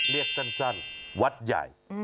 เรียกสั้นวัดใหญ่